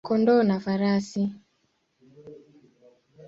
kondoo na farasi.